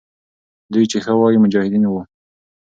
دوی چې ښه وایي، مجاهدین وو.